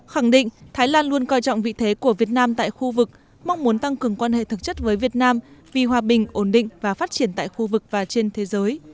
khẳng định thái lan luôn coi trọng vị thế của việt nam tại khu vực mong muốn tăng cường quan hệ thực chất với việt nam vì hòa bình ổn định và phát triển tại khu vực và trên thế giới